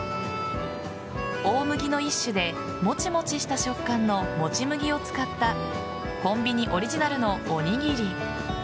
大麦の一種でモチモチした食感のもち麦を使ったコンビニオリジナルのおにぎり。